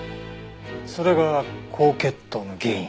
それが高血糖の原因。